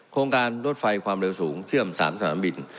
โครงการรถไฟความเร็วสูงเชื่อม๓สนามบิน